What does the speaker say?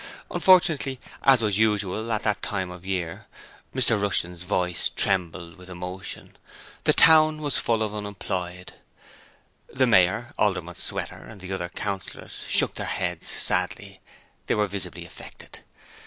Unfortunately, as was usual at that time of the year (Mr Rushton's voice trembled with emotion) the town was full of unemployed. (The Mayor, Alderman Sweater, and all the other Councillors shook their heads sadly; they were visibly affected.)